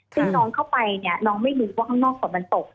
คือน้องเข้าไปน้องไม่รู้ว่าข้างนอกฝนมันตก